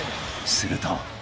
［すると］